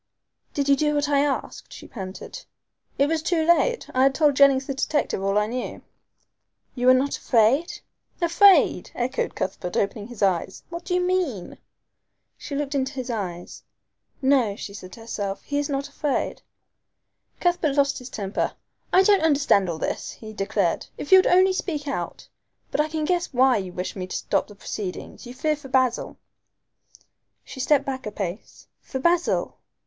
"Did you do what I asked?" she panted. "It was too late. I had told Jennings the detective all I knew." "You were not afraid?" "Afraid!" echoed Cuthbert, opening his eyes. "What do you mean?" She looked into his eyes. "No," she said to herself, "he is not afraid." Cuthbert lost his temper. "I don't understand all this," he declared, "if you would only speak out. But I can guess why you wish me to stop the proceedings you fear for Basil!" She stepped back a pace. "For Basil?"